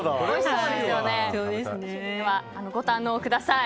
ご堪能ください。